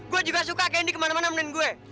gue juga suka kendy kemana mana menin gue